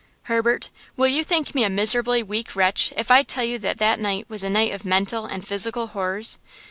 Herbert, will you think me a miserably weak wretch if I tell you that that night was a night of mental and physical horrors?